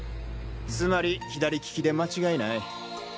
つまり左利きで間違いない！